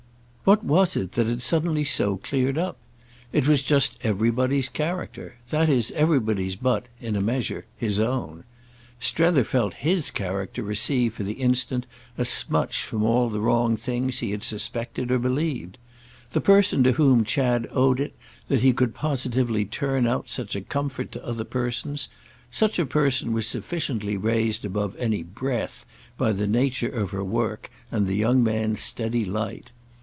What was it that had suddenly so cleared up? It was just everybody's character; that is everybody's but—in a measure—his own. Strether felt his character receive for the instant a smutch from all the wrong things he had suspected or believed. The person to whom Chad owed it that he could positively turn out such a comfort to other persons—such a person was sufficiently raised above any "breath" by the nature of her work and the young man's steady light.